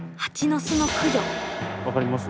分かります？